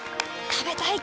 食べたい！